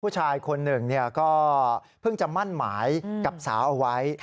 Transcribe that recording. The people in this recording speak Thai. ผู้ชายคนหนึ่งก็เพิ่งจะมั่นหมายกับสาวเอาไว้